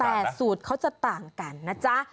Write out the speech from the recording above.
แต่สูตรเขาจะต่างกันนะจ๊ะ